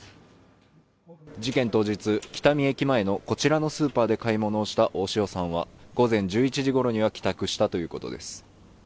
事件当日、喜多見駅前のこちらのスーパーで買い物をした大塩さんは、午前１１時ごろには帰宅したということです。